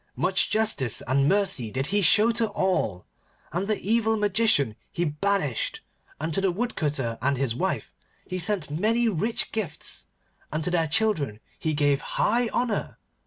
Much justice and mercy did he show to all, and the evil Magician he banished, and to the Woodcutter and his wife he sent many rich gifts, and to their children he gave high honour.